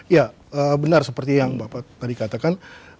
ya benar seperti yang bapak tadi katakan